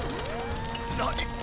何！？